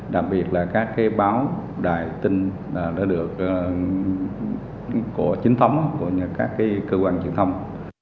đặc biệt là các báo đài tin đã được của chính thống của các cơ quan truyền thông